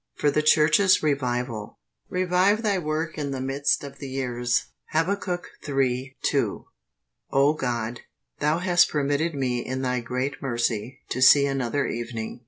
FOR THE CHURCH'S REVIVAL. "Revive Thy work in the midst of the years." Hab. iii. 2. O God, Thou hast permitted me in Thy great mercy to see another evening.